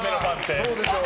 そうでしょう？